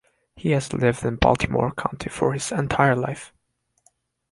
He has lived in Baltimore County for his entire life.